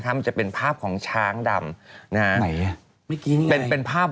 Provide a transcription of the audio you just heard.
มันจะเป็นภาพของช้างดำ